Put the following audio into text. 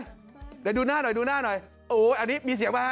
เดี๋ยวดูหน้าหน่อยดูหน้าหน่อยโอ้อันนี้มีเสียงไหมฮ